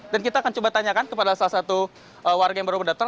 dan kita akan coba tanyakan kepada salah satu warga yang baru mendaftar